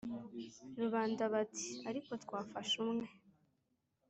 rubanda Bati: "Ariko twafashe umwe,